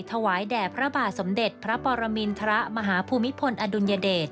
ถวายแด่พระบาทสมเด็จพระปรมินทรมาฮภูมิพลอดุลยเดช